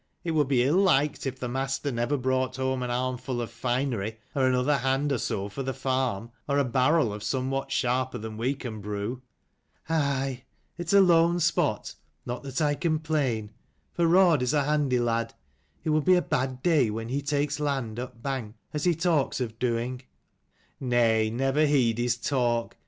It would be ill liked if the master never brought home an armful of finery, or another hand or so for the farm, or a barrel of somewhat sharper than we can brew." "Aye, its a lone spot: not that I complain: for Raud is a handy lad. It will be a bad day when he takes land upbank, as he talks of doing." " Nay, never heed his talk.